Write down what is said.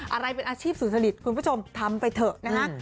อะไรเป็นอาชีพสุจริตคุณผู้ชมทำไปเถอะนะฮะ